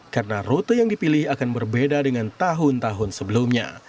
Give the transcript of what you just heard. karena rute yang dipilih akan berbeda dengan tahun tahun sebelumnya